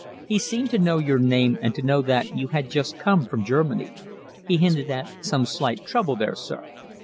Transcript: He seemed to know your name and to know that you had just come from Germany. He hinted at some slight trouble there, sir."